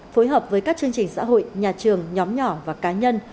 phối hợp với các chương trình xã hội nhà trường nhóm nhỏ và cá nhân